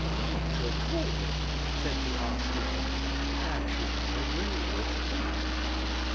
"Not at all," said the archdeacon, catching a ray of hope.